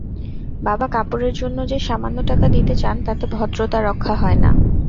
বাবা কাপড়ের জন্য যে সামান্য টাকা দিতে চান তাতে ভদ্রতা রক্ষা হয় না।